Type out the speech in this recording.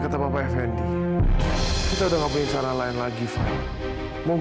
kita tidak punya pilihan lain taufan